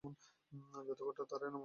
জাদুঘরটি তারই নামাঙ্কিত।